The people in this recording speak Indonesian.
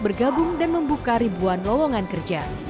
bergabung dan membuka ribuan lowongan kerja